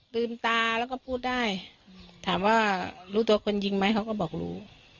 ตื่นตาแล้วก็พูดได้ถามว่ารู้ตัวคนยิงไหมเขาก็บอกรู้